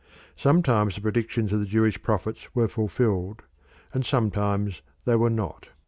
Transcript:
Sometimes the predictions of the Jewish prophets were fulfilled, and sometimes they were not.